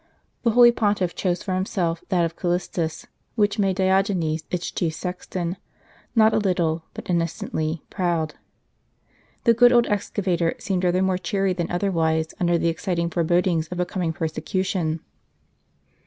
The holy Pontiff chose for himself that of Callistus, which made Diogenes, its chief sexton, not a little, but innocently, proud. The good old excavator seemed rather more cheery than otherwise, under the exciting forebodings of a coming perse A Chapel of the Blessed Sacrament. cution.